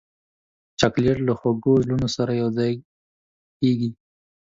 چاکلېټ له خوږو زړونو سره یوځای کېږي.